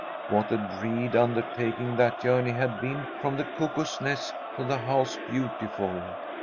What a dread undertaking that journey had been from the Cuckoo's Nest to the House Beautiful.